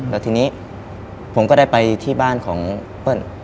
แล้วทีนี้ผมก็ได้ไปที่บ้านของเปิ้ล